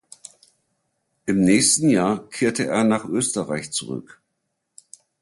Im nächsten Jahr kehrte er nach Österreich zurück.